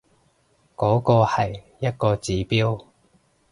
嗰個係一個指標